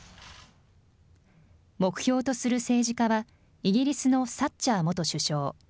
目標とする政治家はイギリスのサッチャー元首相。